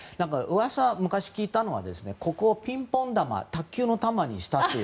噂、昔聞いたのはここをピンポン球卓球の球にしたという。